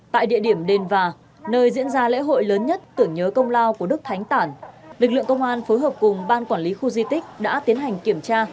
tại địa điểm đền và nơi diễn ra lễ hội lớn nhất tưởng nhớ công lao của đức thánh tản lực lượng công an phối hợp cùng ban quản lý khu di tích đã tiến hành kiểm tra